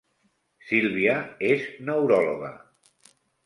Sílvia és neuròloga